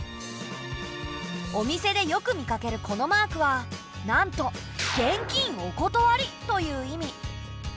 お店でよく見かけるこのマークはなんと「現金お断り」という意味。